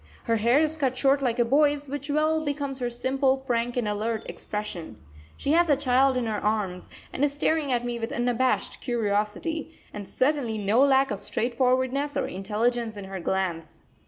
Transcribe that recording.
Her hair is cut short like a boy's, which well becomes her simple, frank, and alert expression. She has a child in her arms and is staring at me with unabashed curiosity, and certainly no lack of straightforwardness or intelligence in her glance.